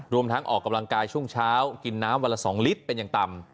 ทั้งออกกำลังกายช่วงเช้ากินน้ำวันละ๒ลิตรเป็นอย่างต่ำ